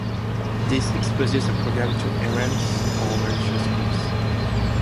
This exposes a program to errant or malicious scripts.